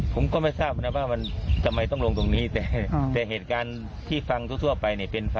ฟ้าแห้งไหลฟ้าหาวไหล